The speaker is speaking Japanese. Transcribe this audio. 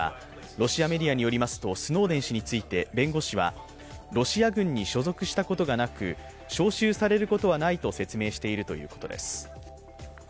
ロシアメディアによりますとスノーデン氏について弁護士はロシア軍に所属したことがなく招集されることはないと説明しているということです。